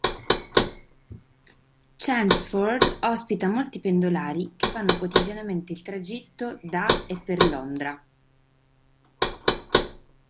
Chelmsford ospita molti pendolari che fanno quotidianamente il tragitto da e per Londra.